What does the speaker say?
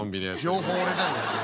両方俺じゃねえかよ。